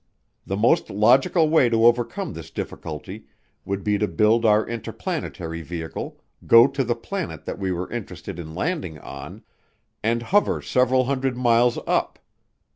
The most logical way to overcome this difficulty would be to build our interplanetary vehicle, go to the planet that we were interested in landing on, and hover several hundred miles up.